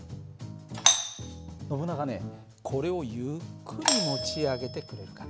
ノブナガねこれをゆっくり持ち上げてくれるかな。